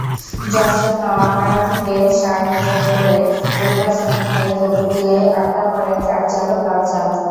যশোর নওয়াপাড়া থেকে সারবোঝাই করে রোববার সন্ধ্যায় দৌলতদিয়ায় আটকা পড়েন ট্রাকচালক লাল চাঁদ।